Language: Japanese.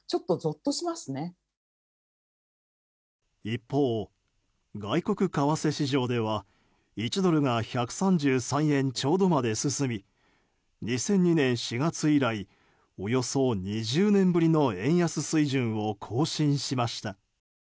一方、外国為替市場では１ドルが１３３円ちょうどまで進み２００２年４月以来およそ２０年ぶりの円安水準を更新しました。